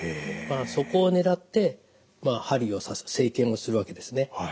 そこを狙って針を刺す生検をするわけですね。